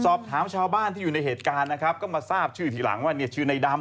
สอบถามชาวบ้านที่อยู่ในเหตุการณ์นะครับก็มาทราบชื่อทีหลังว่าเนี่ยชื่อในดำ